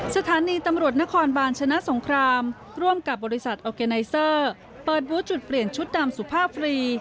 สถานีตำรวจนครบาลชนะสงครามร่วมกับบริษัทออร์แกไนเซอร์เปิดบูธจุดเปลี่ยนชุดดำสุภาพฟรี